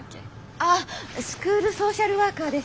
ああスクールソーシャルワーカーです。